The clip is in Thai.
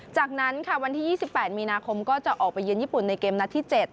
จากนั้นค่ะวันที่๒๘มีนาคมก็จะออกไปเยือนญี่ปุ่นในเกมนัดที่๗